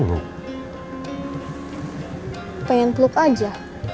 pengen peluk aja